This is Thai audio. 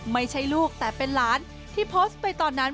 ไม่ใช่ลูกแต่เป็นหลานที่โพสต์ไปตอนนั้น